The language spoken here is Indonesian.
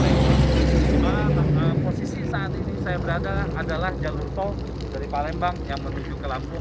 cuma posisi saat ini saya berada adalah jalur tol dari palembang yang menuju ke lampung